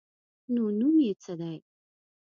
_نو نوم يې څه دی؟